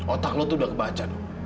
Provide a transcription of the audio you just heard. otak lo tuh udah kebaca